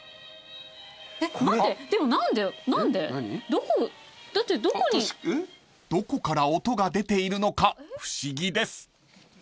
［どこから音が出ているのか不思議です］